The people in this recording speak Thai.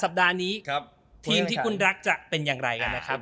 สัปดาห์นี้ทีมที่คุณรักจะเป็นอย่างไรกันนะครับ